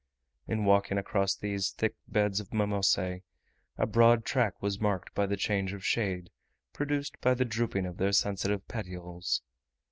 In walking across these thick beds of mimosae, a broad track was marked by the change of shade, produced by the drooping of their sensitive petioles.